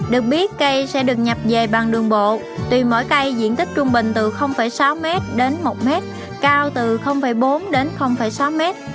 được biết cây sẽ được nhập về bằng đường bộ tùy mỗi cây diện tích trung bình từ sáu m đến một m cao từ bốn đến sáu m